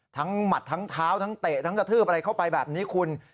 หมัดทั้งเท้าทั้งเตะทั้งกระทืบอะไรเข้าไปแบบนี้คุณ